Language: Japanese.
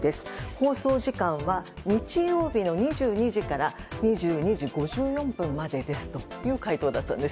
放送時間は日曜日の２２時から２２時５４分までですという回答だったんです。